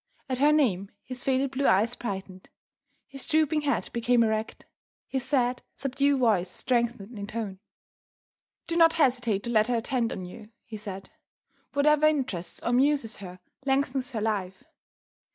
At her name his faded blue eyes brightened; his drooping head became erect; his sad, subdued voice strengthened in tone. "Do not hesitate to let her attend on you," he said. "Whatever interests or amuses her, lengthens her life.